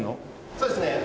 そうですね。